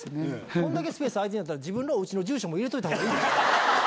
こんだけスペース空いてるんやったら、自分のおうちの住所も入れといたほうがいいですよ。